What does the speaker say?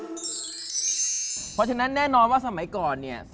เพราะฉะนั้นแน่นอนว่าสมัยก่อนเนี่ย